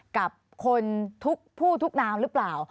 กับคนทุกผู้ทุกนามหรือเปล่า